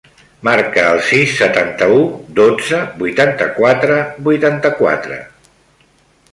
Marca el sis, setanta-u, dotze, vuitanta-quatre, vuitanta-quatre.